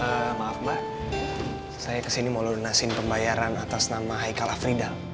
eh maaf mbak saya ke sini mau lonasin pembayaran atas nama heikel afridal